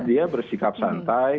dia bersikap santai